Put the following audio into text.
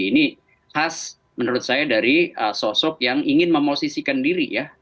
ini khas menurut saya dari sosok yang ingin memosisikan diri ya